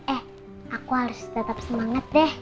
eh aku harus tetap semangat deh